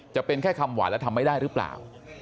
จะเป็นแค่คำหวานและทำไม่ได้หรือเปล่า